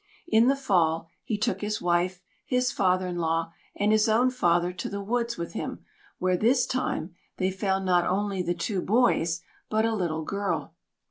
In the Fall he took his wife, his father in law, and his own father to the woods with him, where this time they found not only the two boys but a little girl.